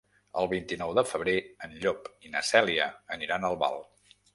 El vint-i-nou de febrer en Llop i na Cèlia aniran a Albal.